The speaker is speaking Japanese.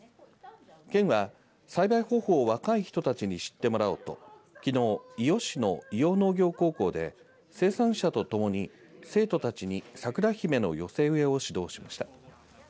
県は栽培方法を若い人たちに知ってもらおうときのう、伊予市の伊予農業高校で生産者と共に生徒たちにさくらひめの寄せ植えを指導しました。